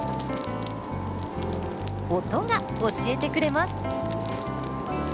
音が教えてくれます。